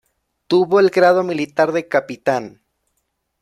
Tuvo el grado militar de capitán.